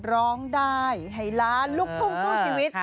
ร้องได้ให้ล้านลูกทุ่งสู้ชีวิต